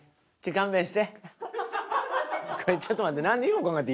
ちょっと待って。